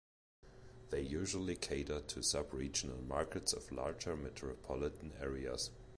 They usually cater to sub-regional markets of larger metropolitan areas.